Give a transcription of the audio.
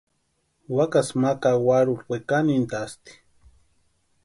Wakasï ma kawarurhu wekanhintʼasti.